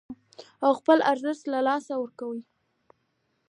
او خپل ارزښت له لاسه ورکوي